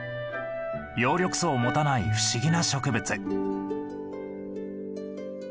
葉緑素を持たない不思議な植物。